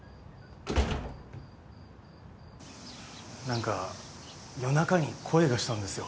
何か夜中に声がしたんですよ。